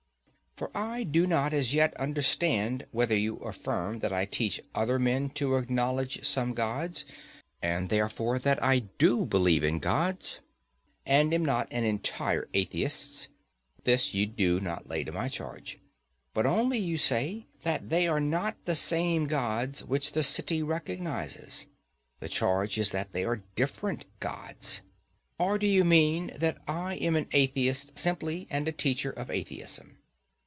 for I do not as yet understand whether you affirm that I teach other men to acknowledge some gods, and therefore that I do believe in gods, and am not an entire atheist—this you do not lay to my charge,—but only you say that they are not the same gods which the city recognizes—the charge is that they are different gods. Or, do you mean that I am an atheist simply, and a teacher of atheism?